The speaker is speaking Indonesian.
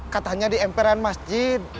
katanya di emperan masjid